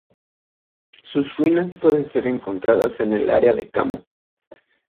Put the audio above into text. Sus ruinas pueden ser encontradas en el área de Kamo.